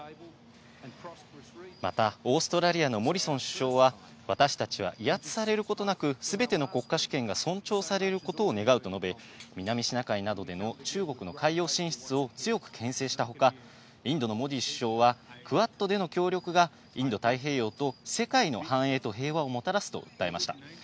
またオーストラリアのモリソン首相は、私たちは威圧されることなく、すべての国家主権が尊重されることを願うと述べ、南シナ海などでの中国の海洋進出を強くけん制したほか、インドのモディ首相は、クアッドでの協力がインド太平洋と世界の繁栄と平和をもたらすと訴えました。